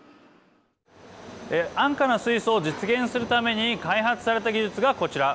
安価な水素を実現するために開発された技術が、こちら。